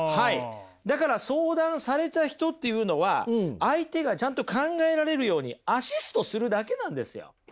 だから相談された人っていうのは相手がちゃんと考えられるようにアシストするだけなんですよ。